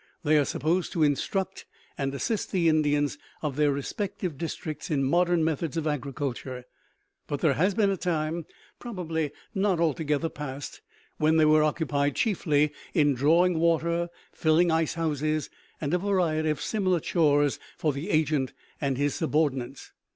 They are supposed to instruct and assist the Indians of their respective districts in modern methods of agriculture; but there has been a time, probably not altogether past, when they were occupied chiefly in drawing water, filling ice houses, and a variety of similar "chores" for the agent and his subordinates.